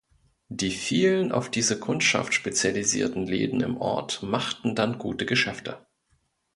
Die vielen auf diese Kundschaft spezialisierten Läden im Ort machten dann gute Geschäfte.